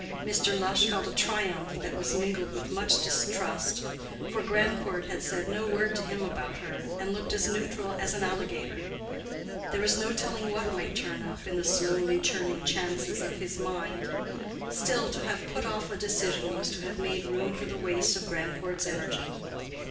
Mr. Lush felt a triumph that was mingled with much distrust; for Grandcourt had said no word to him about her, and looked as neutral as an alligator; there was no telling what might turn up in the slowly churning chances of his mind. Still, to have put off a decision was to have made room for the waste of Grandcourt's energy.